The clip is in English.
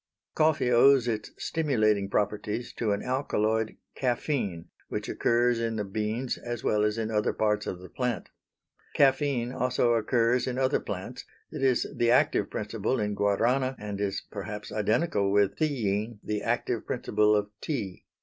Coffee owes its stimulating properties to an alkaloid caffeine which occurs in the beans as well as in other parts of the plant. Caffeine also occurs in other plants; it is the active principle in Guarana and is perhaps identical with theine, the active principle of tea.